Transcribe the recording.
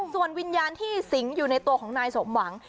ส่วนวิญญาณที่สิงอยู่ในตัวของนายสมหวัง